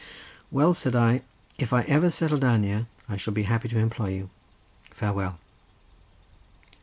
"Well," said I, "if I ever settle down here, I shall be happy to employ you. Farewell."